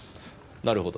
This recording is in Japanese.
なるほど。